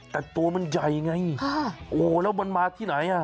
แต่ตัวมันใหญ่ไงโอ้แล้วมันมาที่ไหนอ่ะ